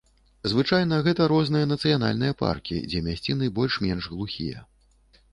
Звычайна гэта розныя нацыянальныя паркі, дзе мясціны больш-менш глухія.